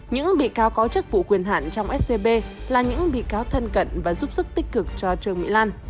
những bị cáo có chức vụ quyền hạn trong scb là những bị cáo thân cận và giúp sức tích cực cho trương mỹ lan